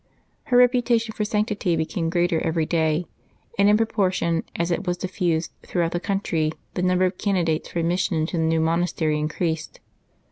Her reputation for sanctity became greater every day; and in proportion as it was diffused throughout the country the number of candidates for admission into the new monastery increased.